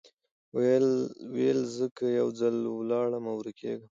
ویل زه که یو ځل ولاړمه ورکېږم